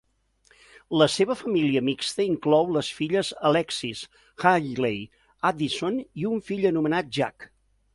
La seva família mixta inclou les filles Alexis, Hailey, Addison i un fill anomenat Jack.